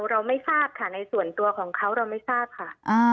เราไม่ทราบค่ะในส่วนตัวของเขาเราไม่ทราบค่ะ